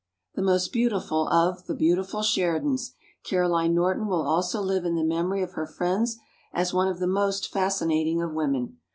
] "The most beautiful of 'the beautiful Sheridans,' Caroline Norton will also live in the memory of her friends as one of the most fascinating of women.